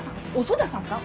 遅田さんか？